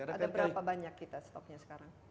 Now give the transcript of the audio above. ada berapa banyak kita stoknya sekarang